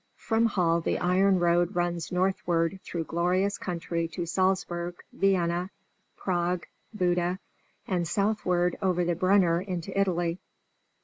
From Hall the iron road runs northward through glorious country to Salzburg, Vienna, Prague, Buda, and southward over the Brenner into Italy.